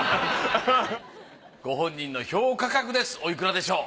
ご本人の評価額ですおいくらでしょう？